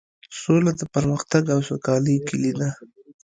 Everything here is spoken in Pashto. سوله د پرمختګ او سوکالۍ کیلي ده.